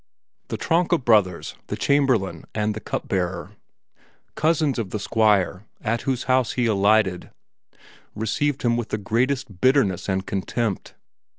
The Tronka brothers, the Chamberlain and the Cup bearer, cousins of the Squire, at whose house he alighted, received him with the greatest bitterness and contempt.